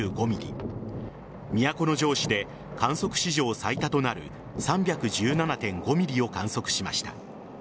都城市で観測史上最多となる３１７．５ｍｍを観測しました。